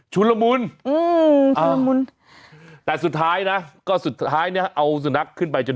หุ้วอุ้ยกว่าสุดท้ายนะก็สุดท้ายเนี่ยเอาสนัขขึ้นไปจนได้